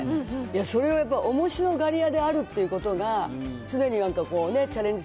それはやっぱりおもしろがり屋であるっていうことが、常にチャレンジ